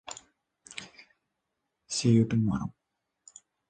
The civil parish contains the settlement of Dundonald.